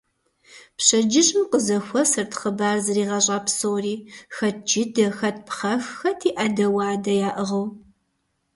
Пщэдджыжьым къызэхуэсырт хъыбар зригъэщӀа псори, хэт джыдэ, хэт пхъэх, хэти Ӏэдэ-уадэ яӀыгъыу.